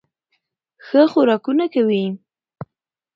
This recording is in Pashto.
ښه خوراکونه کوي